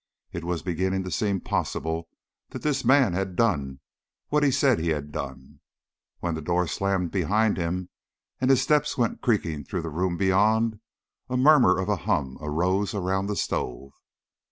It was beginning to seem possible that this man had done what he said he had done. When the door slammed behind him and his steps went creaking through the room beyond, a mutter of a hum arose around the stove.